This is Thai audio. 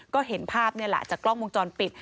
ก็เห็นภาพนี่แหละจากกล้องวงจรปิด